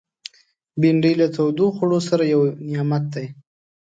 بېنډۍ له تودو خوړو سره یو نعمت دی